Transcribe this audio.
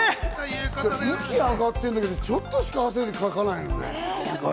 息上がってるけど、ちょっとしか汗かかないね。